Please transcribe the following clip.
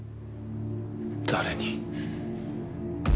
誰に？